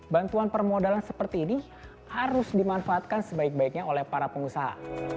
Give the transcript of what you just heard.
bantuan permodalan seperti ini harus dimanfaatkan sebaik baiknya oleh para pengusaha